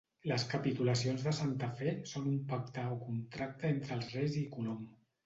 Les Capitulacions de Santa Fe, són un pacte o contracte entre els reis i Colom.